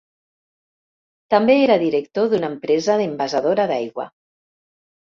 També era director d'una empresa envasadora d'aigua.